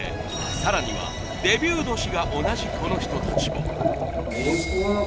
更にはデビュー年が同じこの人たちも。